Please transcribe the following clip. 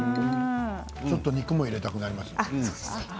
ちょっと肉を入れたくなりますね。